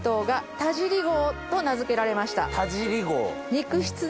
田尻号。